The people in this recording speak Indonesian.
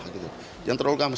jangan terlalu gampang